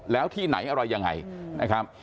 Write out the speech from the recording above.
แล้วที่ไหนอะไรยังไงนะครับ